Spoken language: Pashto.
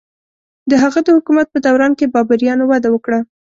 د هغه د حکومت په دوران کې بابریانو وده وکړه.